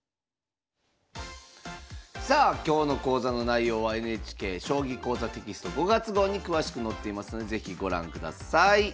さあ今日の講座の内容はＮＨＫ「将棋講座」テキスト５月号に詳しく載っていますので是非ご覧ください。